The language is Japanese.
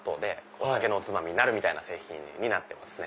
お酒のおつまみになるみたいな製品になってますね。